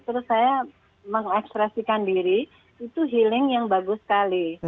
terus saya mengekspresikan diri itu healing yang bagus sekali